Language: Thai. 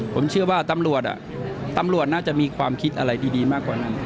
ผมเชื่อว่าตำรวจตำรวจน่าจะมีความคิดอะไรดีมากกว่านั้น